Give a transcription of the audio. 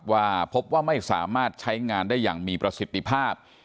ว่าพบว่าไม่สามารถใช้งานได้อย่างมีประสิทธิภาพ